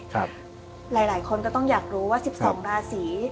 หลายคนก็ต้องอยากรู้ว่า๑๒ราศี